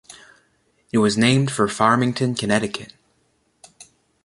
It was named for Farmington, Connecticut.